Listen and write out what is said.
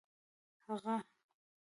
هغه